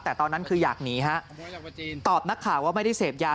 แต่ตอนนั้นคืออยากหนีฮะตอบนักข่าวว่าไม่ได้เสพยา